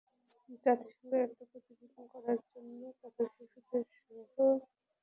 জাতিসংঘের একটা প্রতিবেদন করার জন্য পথশিশুসহ এদের সঙ্গে কাজ করতে হয়েছে।